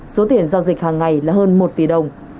số tiền giao dịch hàng ngày là hơn một tỷ đồng